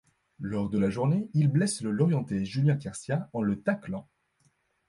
Lors de la journée, il blesse le Lorientais Julien Quercia en le taclant.